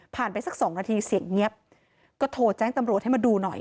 ไปสักสองนาทีเสียงเงียบก็โทรแจ้งตำรวจให้มาดูหน่อย